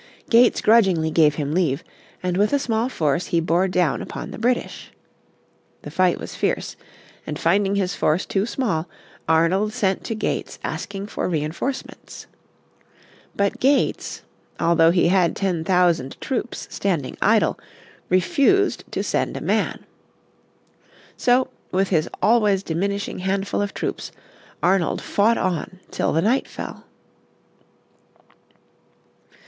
Bates grudgingly gave him leave, and with a small force he bore down upon the British. The fight was fierce, and finding his force too small Arnold sent to Gates asking for reinforcements. But Gates, although he had ten thousand troops standing idle, refused to send a man. So, with his always diminishing handful of troops, Arnold fought on till night fell.